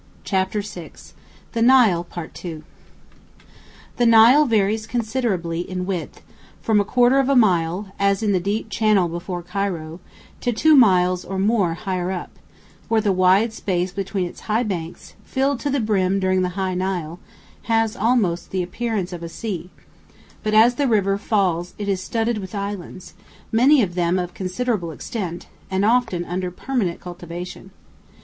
CHAPTER VI THE NILE II The Nile varies considerably in width, from a quarter of a mile, as in the deep channel before Cairo, to two miles or more higher up, where the wide space between its high banks, filled to the brim during high Nile, has almost the appearance of a sea; but as the river falls it is studded with islands, many of them of considerable extent, and often under permanent cultivation.